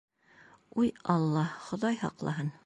Уй, Алла, Хоҙай һаҡлаһын!